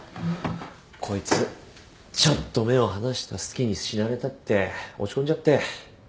こいつちょっと目を離した隙に死なれたって落ち込んじゃって。